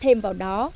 thêm vào đó